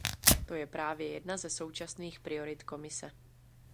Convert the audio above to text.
To je právě jedna ze současných priorit Komise.